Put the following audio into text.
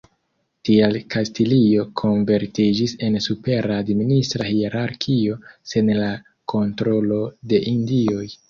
Tial Kastilio konvertiĝis en supera administra hierarkio sen la kontrolo de Indioj.